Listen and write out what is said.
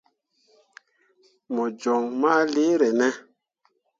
Mo joŋ ma leere ne ?